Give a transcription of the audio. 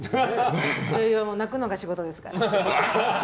女優は泣くのが仕事ですから。